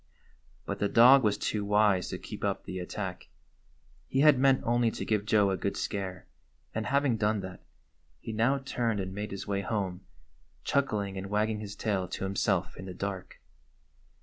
But the dog was too wise to keep up the attack. He had meant only to give Joe a good scare, and, having done that, he now turned and made his 97 GYPSY, THE TALKING DOG way home, chuckling and wagging his tail to himself in the dark.